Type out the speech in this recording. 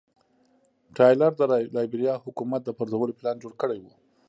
ټایلر د لایبیریا حکومت د پرځولو پلان جوړ کړی و.